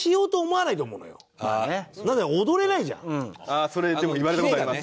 ああそれ言われた事あります。